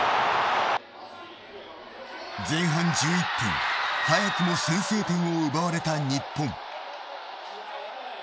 前半１１分早くも先制点を奪われた日本。